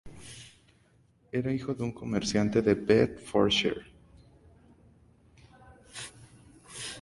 Era hijo de un comerciante de Bedfordshire.